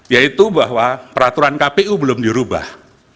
yaitu bahwa peraturan kpu belum dirubah